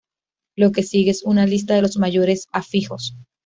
Lo que sigue es una lista de los mayores afijos.